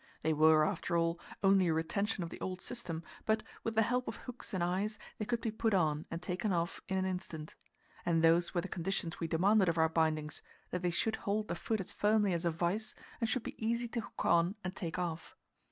They were, after all, only a retention of the old system, but, with the help of hooks and eyes, they could be put on and taken off in an instant. And those were the conditions we demanded of our bindings that they should hold the foot as firmly as a vice, and should be easy to hook on and take off.